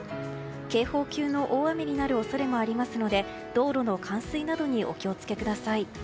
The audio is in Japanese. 警報級の大雨になる恐れもありますので道路の冠水などにお気を付けください。